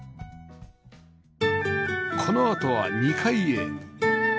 このあとは２階へ